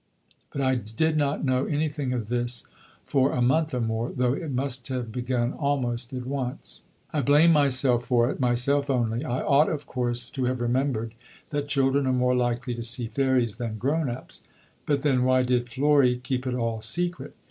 But I did not know anything of this for a month or more, though it must have begun almost at once. "I blame myself for it, myself only. I ought, of course, to have remembered that children are more likely to see fairies than grown ups; but then why did Florrie keep it all secret?